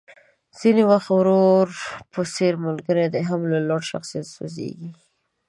ځينې وخت ورور په څېر ملګری دې هم له لوړ شخصيت سوځېږي.